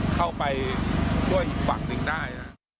เข้าไปช่วยอีกฝั่งหนึ่งได้